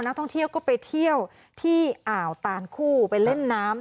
นักท่องเที่ยวก็ไปเที่ยวที่อ่าวตานคู่ไปเล่นน้ำ